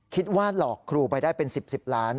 คิดว่าหลอกครูไปได้เป็น๑๐ล้าน